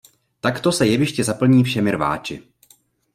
Takto se jeviště zaplní všemi rváči.